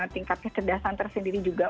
tingkat kecerdasan tersendiri juga